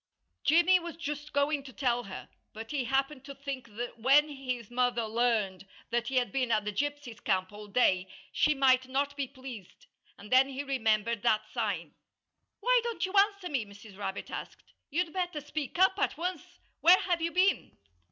Jimmy was just going to tell her. But he happened to think that when his mother learned that he had been at the gypsies' camp all day she might not be pleased. And then he remembered that sign. "Why don't you answer me?" Mrs. Rabbit asked. "You'd better speak up at once. Where have you been?"